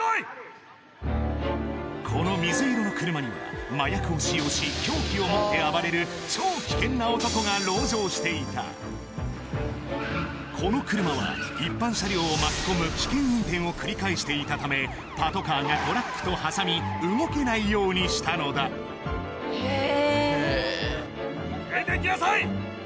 この水色の車には麻薬を使用し凶器を持って暴れる超危険な男が籠城していたこの車は一般車両を巻き込む危険運転を繰り返していたためパトカーがトラックと挟み動けないようにしたのだ出てきなさい！